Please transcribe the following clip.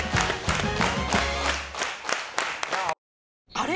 あれ？